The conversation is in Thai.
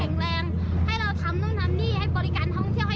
เขามาทำตามหน้าที่